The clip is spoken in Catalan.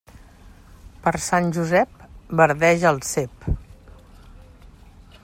Per Sant Josep, verdeja el cep.